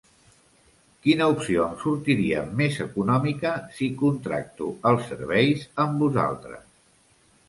Quina opció em sortiria més econòmica si contracto els serveis amb vosaltres?